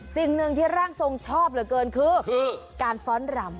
สิ่งหนึ่งที่ร่างทรงชอบเหลือเกินคือการฟ้อนรำ